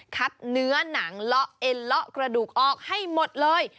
เนื้อหนังเลาะเอ็นเลาะกระดูกออกให้หมดเลย